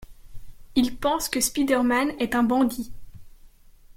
Il pense que Spiderman est un bandit.